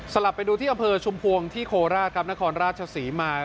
สลับไปดูที่อำเภอชมพวงศ์ที่โคราชนครราชศรี